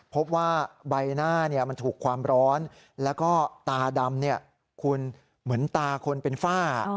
พบว่าใบหน้ามันถูกความร้อนแล้วก็ตาดำคุณเหมือนตาคนเป็นฝ้า